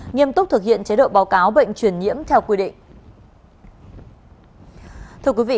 nghiêm túc thực hiện chế độ báo cáo bệnh truyền nhiễm theo quy định